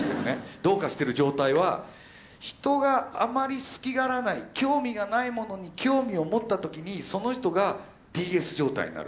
どうかしてる状態は人があまり好きがらない興味がないものに興味を持った時にその人がＤＳ状態になる。